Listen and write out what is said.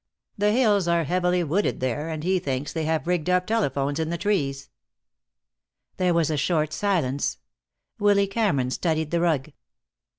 The hills are heavily wooded there, and he thinks they have rigged up telephones in the trees." There was a short silence. Willy Cameron studied the rug.